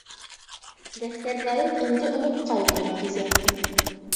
Дәфтәрҙәрен инде онотҡайны Илгизә.